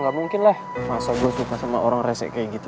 gak mungkin lah masa gue suka sama orang rese kayak gitu